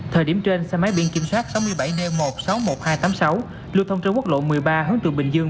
thời điểm trên xe máy biển kiểm soát sáu mươi bảy n một trăm sáu mươi một nghìn hai trăm tám mươi sáu lưu thông trên quốc lộ một mươi ba hướng từ bình dương